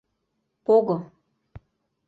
ПОГО